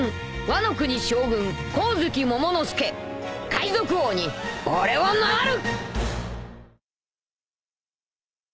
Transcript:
海賊王に俺はなる！